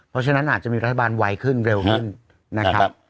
เพราะฉะนั้นอาจจะมีรัฐบาลไวขึ้นเร็วขึ้นนะครับ